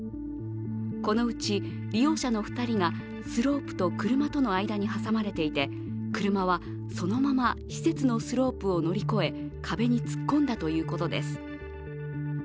このうち、利用者の２人がスロープと車との間に挟まれていて車はそのまま施設のスロープを乗り越え、壁に突っ込んだということです。